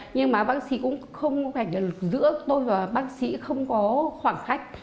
nhưng mà bác sĩ cũng không phải là giữa tôi và bác sĩ không có khoảng cách